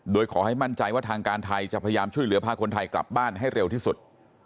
โดยขอให้มั่นใจว่าทางการไทยจะพยายามช่วยเหลือพาคนไทยกลับบ้านให้เร็วที่สุด